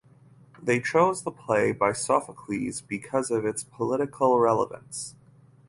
They chose the play by Sophocles because of its political relevance.